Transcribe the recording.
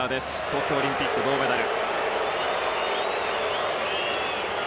東京オリンピック、銅メダル。